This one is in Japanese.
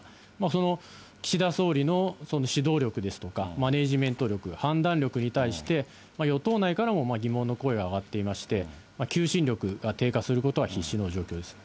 その岸田総理の指導力ですとか、マネジメント力、判断力に対して、与党内からも疑問の声が上がっていまして、求心力が低下することは必至の状況です。